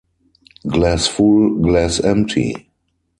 Glass full, glass empty.